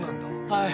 はい。